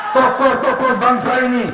tokoh tokoh bangsa ini